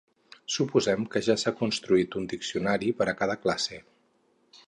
Suposem que ja s'ha construït un diccionari per a cada classe.